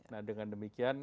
nah dengan demikian